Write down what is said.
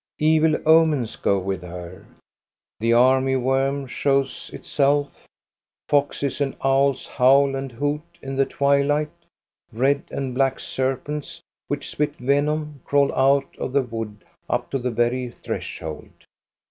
Evil omens go with her; the army worm shows itself, foxes and owls howl and hoot in the twilight, red and black serpents, which spit venom, crawl out of the wood up to the very threshold.